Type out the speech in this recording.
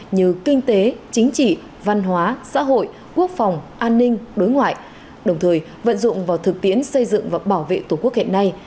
như kinh tế chính trị văn hóa xã hội quốc phòng an ninh đối ngoại đồng thời vận dụng vào thực tiễn xây dựng và bảo vệ tổ quốc hiện nay